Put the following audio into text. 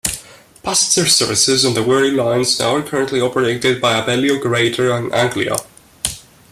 Passenger services on the Wherry Lines are currently operated by Abellio Greater Anglia.